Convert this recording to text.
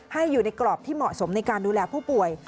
ให้อยู่ในกรอบที่เหมาะสมในการดูแลผู้ป่วย